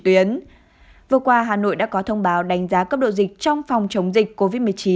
tuyến vừa qua hà nội đã có thông báo đánh giá cấp độ dịch trong phòng chống dịch covid một mươi chín